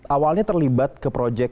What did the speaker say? awalnya terlibat ke proyek